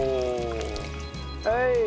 はい。